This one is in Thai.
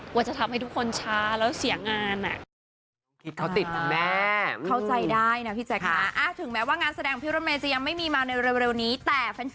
ว่าจะทำให้ทุกคนช้าแล้วเสียงาน